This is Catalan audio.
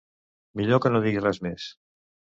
Millor que no digui res més.